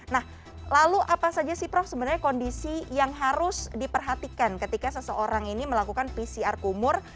nah lalu apa saja sih prof sebenarnya kondisi yang harus diperhatikan ketika seseorang ini melakukan pcr kumur